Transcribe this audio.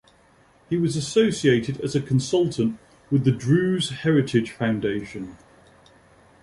He was associated as a consultant with the "Druze Heritage Foundation".